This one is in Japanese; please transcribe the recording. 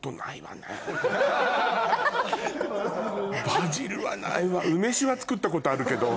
バジルはないわ。